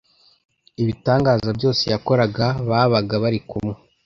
ibitangaza byose yakoraga babaga bari kumwe